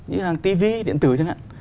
những cái hàng tivi điện tử chẳng hạn